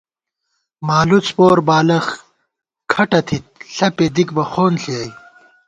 مالُڅ پور بالَخ کھٹہ تھِت، ݪپے دِک بہ خون ݪِیَئ